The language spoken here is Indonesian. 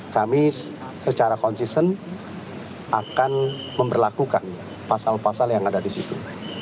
kami secara konsisten akan memperlakukan pasal pasal yang ada di situ